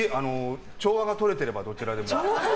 調和がとれていればどちらでも。